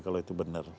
kalau itu benar